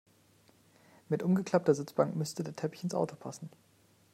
Mit umgeklappter Sitzbank müsste der Teppich ins Auto passen.